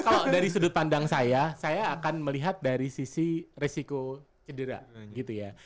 kalau dari sudut pandang saya saya akan melihat dari sisi resiko cedera gitu ya